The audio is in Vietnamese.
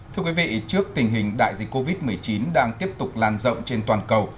thưa quý vị trước tình hình đại dịch covid một mươi chín đang tiếp tục lan rộng trên toàn cầu